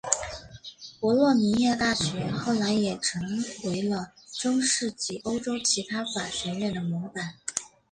博洛尼亚大学后来也成为了中世纪欧洲其他法学院的模板。